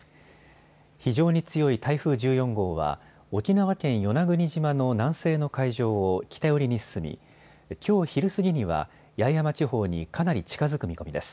非常に強い台風１４号は沖縄県与那国島の南西の海上を北寄りに進みきょう昼過ぎには八重山地方にかなり近づく見込みです。